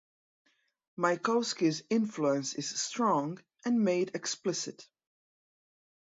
Mayakovsky's influence is strong and made explicit.